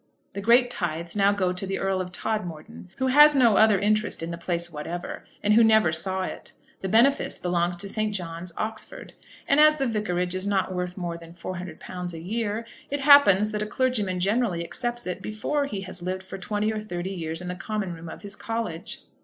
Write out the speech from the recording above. The great tithes now go to the Earl of Todmorden, who has no other interest in the place whatever, and who never saw it. The benefice belongs to St. John's, Oxford, and as the vicarage is not worth more than £400 a year, it happens that a clergyman generally accepts it before he has lived for twenty or thirty years in the common room of his college.